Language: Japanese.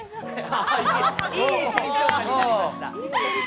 いい身長差になりました。